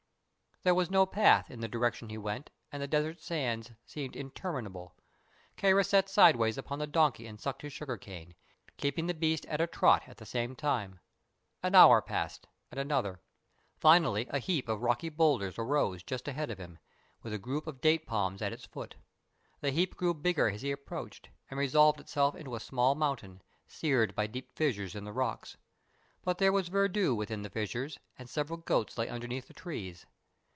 There was no path in the direction he went and the desert sands seemed interminable. Kāra sat sidewise upon the donkey and sucked his sugar cane, keeping the beast at a trot at the same time. An hour passed, and another. Finally a heap of rocky boulders arose just ahead of him, with a group of date palms at its foot. The heap grew bigger as he approached, and resolved itself into a small mountain, seared by deep fissures in the rocks. But there was verdure within the fissures, and several goats lay underneath the trees.